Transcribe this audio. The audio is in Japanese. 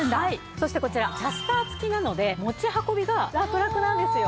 そしてこちらキャスター付きなので持ち運びがラクラクなんですよ。